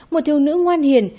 một thiêu nữ ngoan hiền